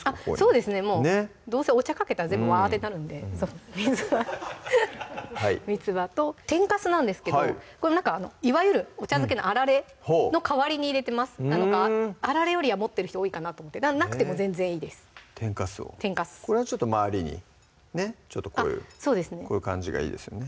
そうですねもうどうせお茶かけたら全部わってなるんでみつばと天かすなんですけどこれなんかいわゆるお茶漬けのあられの代わりに入れてますなんかあられよりは持ってる人多いかなと思ってなくても全然いいです天かすをこれはちょっと周りにねこういう感じがいいですよね